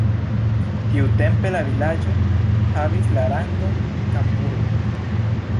Tiutempe la vilaĝo havis la rangon kampurbo.